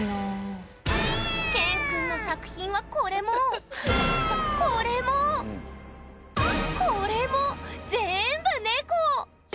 ＫＥＮくんの作品はこれもこれもこれもぜんぶ猫！